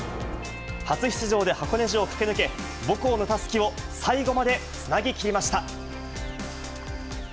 初出場で箱根路を駆け抜け、母校のたすきを最後までつなぎきりました。